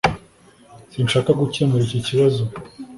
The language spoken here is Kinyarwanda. sinshaka gukemura iki kibazo ubu